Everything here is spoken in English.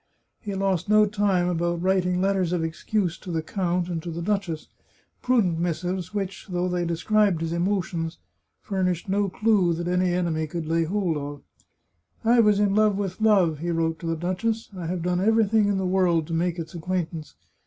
He lost no time about writing letters of excuse to the count and to the duchess, prudent missives which, though they de scribed his emotions, furnished no clew that any enemy could lay hold of. " I was in love with love," he wrote to the duchess. " I have done everything in the world to make its acquaintance.